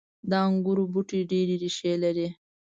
• د انګورو بوټي ډیرې ریښې لري.